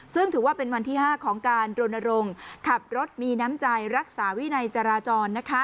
ซึ่งถือว่าเป็นวันที่๕ของการรณรงค์ขับรถมีน้ำใจรักษาวินัยจราจร